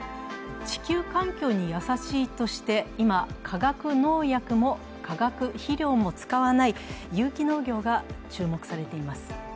地球環境に優しいとして、今、化学農薬も化学肥料も使わない有機農業が注目されています。